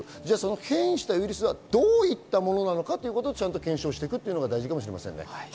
変異したウイルスはどういったものなのかということをしっかり検証していくということが大事かもしれませんね。